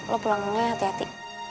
lo pulang dulu ya hati hati